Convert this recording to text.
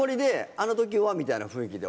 「あの時は」みたいな雰囲気で。